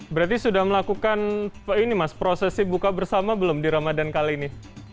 berarti sudah melakukan prosesi buka bersama belum di ramadan kali ini